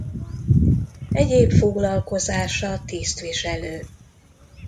Egyéb foglalkozása tisztviselő.